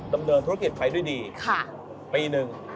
ดำเนินธุรกิจไปด้วยดีปีหนึ่ง